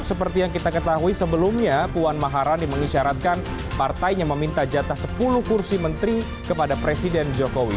seperti yang kita ketahui sebelumnya puan maharani mengisyaratkan partainya meminta jatah sepuluh kursi menteri kepada presiden jokowi